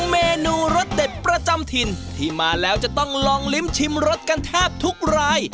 เมนูรสเด็ดประจำถิ่นที่มาแล้วจะต้องลองลิ้มชิมรสกันแทบทุกราย